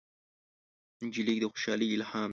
نجلۍ د خوشحالۍ الهام ده.